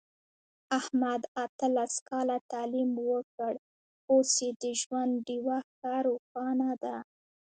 احمد اتلس کاله تعلیم وکړ، اوس یې د ژوند ډېوه ښه روښانه ده.